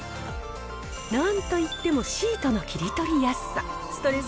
なんといってもシートの切り取りやすさ、ストレス